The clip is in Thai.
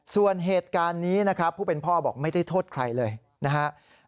ส่วนเหตุการณ์นี้นะครับผู้เป็นพ่อบอกไม่ได้โทษใครเลยนะครับ